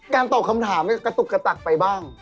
การตอบคำถามกระตุกไปบ้าง